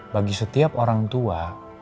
bagi setiap orang tua